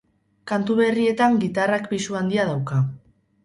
Kantu berrietan gitarrak pisu handia dauka.